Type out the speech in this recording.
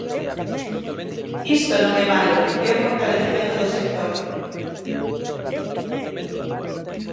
Isto non é malo, é o fortalecemento do sector.